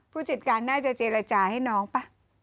ผู้จัดการน่าจะเจรจาให้น้องป่ะ